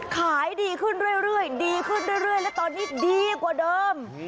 ขายดีขึ้นเรื่อยดีขึ้นเรื่อยและตอนนี้ดีกว่าเดิม